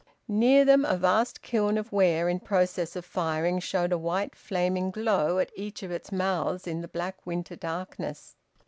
Near them a vast kiln of ware in process of firing showed a white flaming glow at each of its mouths in the black winter darkness.